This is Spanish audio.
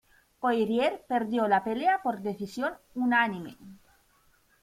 Poirier perdió la pelea por decisión unánime.